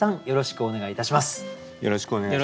よろしくお願いします。